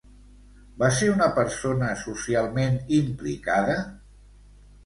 Va ser una persona socialment implicada?